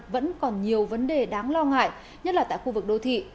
vẫn còn nhiều vấn đề đáng lo ngại nhất là tại khu vực đô thị